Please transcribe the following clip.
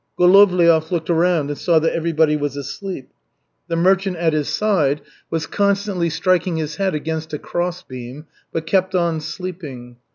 Golovliov looked around and saw that everybody was asleep. The merchant at his side was constantly striking his head against a cross beam, but kept on sleeping.